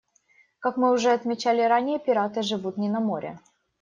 Как мы уже отмечали ранее, пираты живут не на море.